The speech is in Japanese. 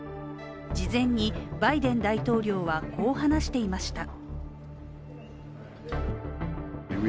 事前にバイデン大統領はこう話していました。